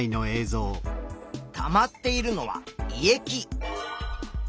たまっているのは胃液。